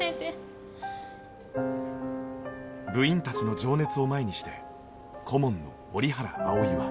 部員たちの情熱を前にして顧問の折原葵は